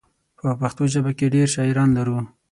په پښتو ژبه کې ډېر شاعران لرو.